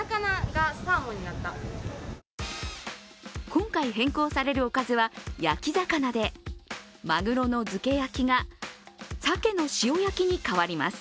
今回変更されるおかずは焼き魚で鮪の漬け焼が鮭の塩焼きに変わります。